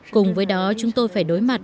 cùng với đó chúng tôi phải đối mặt